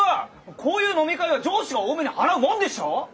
こういう飲み会は上司が多めに払うもんでしょ！